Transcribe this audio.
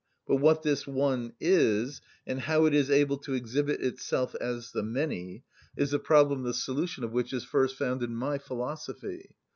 But what this one is, and how it is able to exhibit itself as the many, is a problem the solution of which is first found in my philosophy.